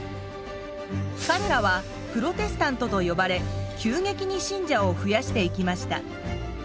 かれらはプロテスタントと呼ばれ急激に信者を増やしていきました。